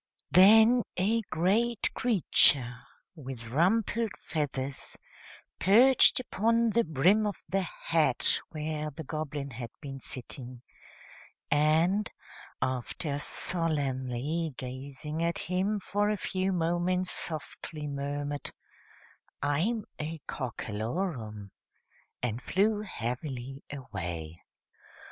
Then a great creature, with rumpled feathers, perched upon the brim of the hat where the Goblin had been sitting, and, after solemnly gazing at him for a few moments, softly murmured, "I'm a Cockalorum," and flew heavily away.